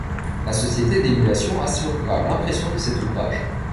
La Société d'Émulation assurera l'impression de cet ouvrage.